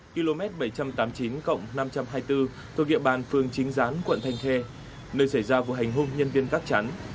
km bảy trăm tám mươi chín năm trăm hai mươi bốn thuộc địa bàn phường chính gián quận thanh khê nơi xảy ra vụ hành hung nhân viên gác chắn